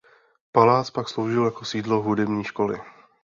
Palác pak sloužil jako sídlo hudební školy.